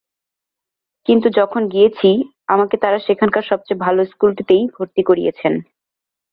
কিন্তু যখন যেখানে গিয়েছি, আমাকে তাঁরা সেখানকার সবচেয়ে ভালো স্কুলটিতেই ভর্তি করিয়েছেন।